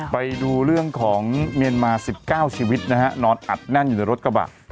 ไปดูเรื่องของเมียนมา๑๙ชีวิตนะฮะนอนอัดแน่นอยู่ในรถกระบะ